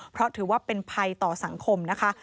เพราะถือว่าเป็นภัยต่อสังคมนะคะ